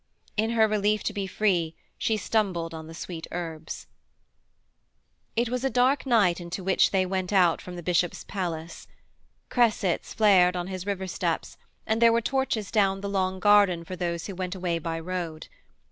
In her relief to be free she stumbled on the sweet herbs. It was a dark night into which they went out from the bishop's palace. Cressets flared on his river steps, and there were torches down the long garden for those who went away by road.